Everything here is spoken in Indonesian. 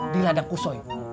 di ladang kusui